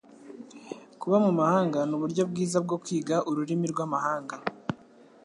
Kuba mu mahanga nuburyo bwiza bwo kwiga ururimi rwamahanga.